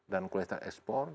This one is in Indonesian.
dan kualitas ekspor